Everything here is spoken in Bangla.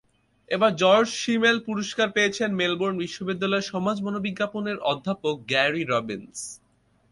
এবার জর্জ সিমেল পুরস্কার পেয়েছেন মেলবোর্ন বিশ্ববিদ্যালয়ের সমাজ মনোবিজ্ঞানের অধ্যাপক গ্যারি রবিনস।